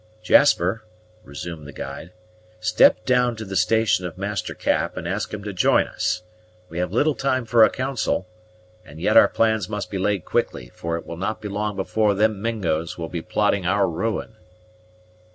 "Jasper," resumed the guide, "step down to the station of Master Cap, and ask him to join us: we have little time for a council, and yet our plans must be laid quickly, for it will not be long before them Mingos will be plotting our ruin."